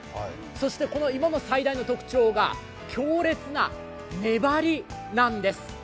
そして、この芋の最大の特徴が強烈な粘りなんです。